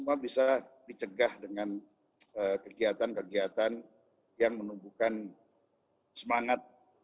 semua bisa dicegah dengan kegiatan kegiatan yang menumbuhkan semangat